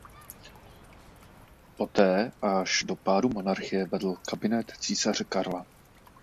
Poté až do pádu monarchie vedl kabinet císaře Karla.